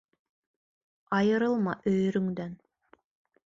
Айырылма өйөрөңдән: